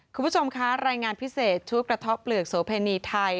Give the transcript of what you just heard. คุณผู้ชมคะรายงานพิเศษชุดกระเทาะเปลือกโสเพณีไทย